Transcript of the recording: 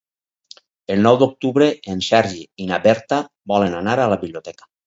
El nou d'octubre en Sergi i na Berta volen anar a la biblioteca.